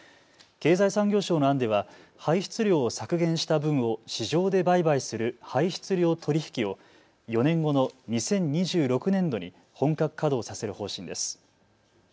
経済産業省の案では排出量を削減した分を市場で売買する排出量取引を４年後の２０２６年度に本格稼働させる方針です。